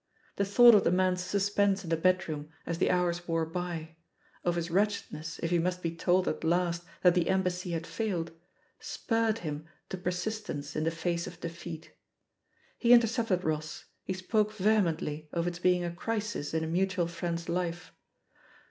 The thought of the man's suspense in the bedroom, as the hours wore by, of his wretchedness if he must be told at last that the embassy had failed, ^spurred him to persistence in the face of defeat. He intercepted Hoss, he spoke vehemently of its being a crisis in a mutual friend's life.